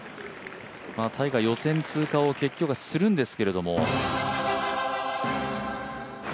タイガー予選通過を結局はするんですけど。